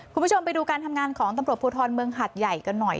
คุณผู้ชมไปดูการทำงานของตำรวจภูทรเมืองหัดใหญ่กันหน่อย